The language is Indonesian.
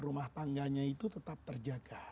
rumah tangganya itu tetap terjaga